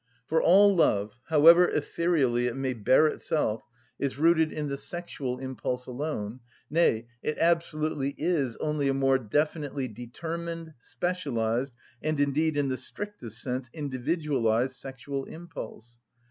For all love, however ethereally it may bear itself, is rooted in the sexual impulse alone, nay, it absolutely is only a more definitely determined, specialised, and indeed in the strictest sense individualised sexual impulse.